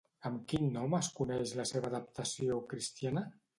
Amb quin nom es coneix la seva adaptació cristiana?